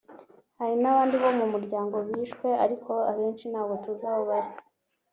hari n’abandi bo mu muryango bishwe ariko abenshi ntabwo tuzi aho bari